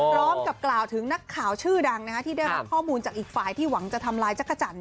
พร้อมกับกล่าวถึงนักข่าวชื่อดังที่ได้รับข้อมูลจากอีกฝ่ายที่หวังจะทำลายจักรจันทร์